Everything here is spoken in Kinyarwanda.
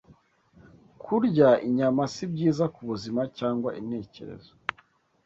kurya inyama si byiza kubuzima cyangwa intekerezo